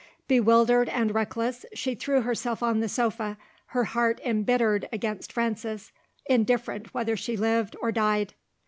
Bewildered and reckless, she threw herself on the sofa her heart embittered against Frances indifferent whether she lived or died.